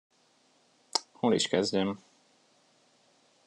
Hol is kezdjem?